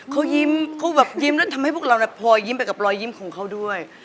เขายิ้มเขาแบบยิ้มแล้วทำให้พวกเราพอยิ้มไปกับรอยยิ้มของเขาด้วย